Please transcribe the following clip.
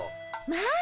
まあ！